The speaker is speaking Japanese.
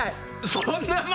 そんな前？